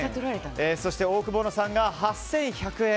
そしてオオクボーノさんが８１００円。